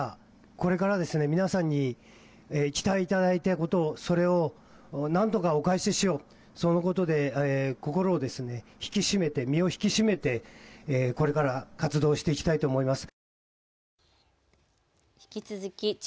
これからですね、皆さんに期待いただいたことそれをなんとかお返ししよう、そのことで心を、引き締めて身を引き締めて、これから活動していきたいと思います。